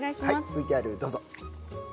ＶＴＲどうぞ！